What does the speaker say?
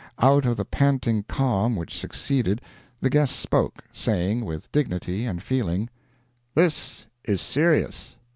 Out of the panting calm which succeeded, the guest spoke, saying, with dignity and feeling, "This is serious.